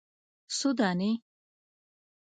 _څو دانې ؟